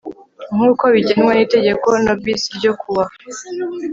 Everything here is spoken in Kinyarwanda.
nk'uko bigenwa n'itegeko no bis ryo kuwa